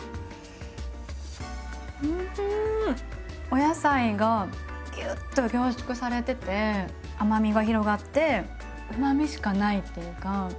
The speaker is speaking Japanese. お野菜がぎゅっと凝縮されてて甘みが広がってうまみしかないっていうか。